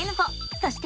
そして。